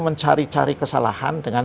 mencari cari kesalahan dengan